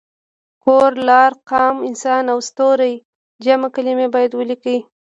کور، لار، قام، انسان او ستوری جمع کلمې باید ولیکي.